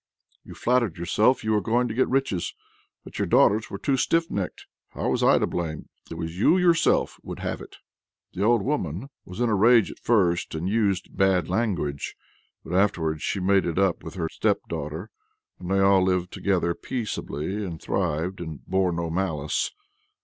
You flattered yourself you were going to get riches, but your daughters were too stiff necked. How was I to blame? it was you yourself would have it." The old woman was in a rage at first, and used bad language; but afterwards she made it up with her stepdaughter, and they all lived together peaceably, and thrived, and bore no malice.